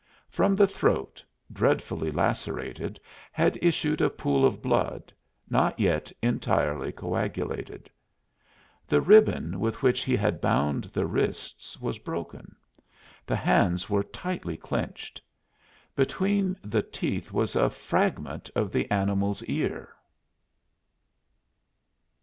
From the throat, dreadfully lacerated, had issued a pool of blood not yet entirely coagulated. The ribbon with which he had bound the wrists was broken; the hands were tightly clenched. Between the teeth was a fragment of the animal's ear.